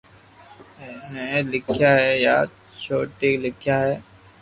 ٿي لکيا ھي يا جوئي لکيا ھي